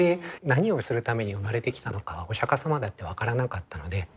何をするために生まれてきたのかはお釈様だって分からなかったので。